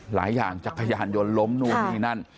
หลายอย่างจักรยานยนต์ล้มนู่นนี่นั่น